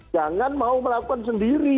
jangan mau melakukan sendiri